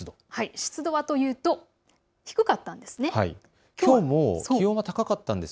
湿度はというと低かったんです。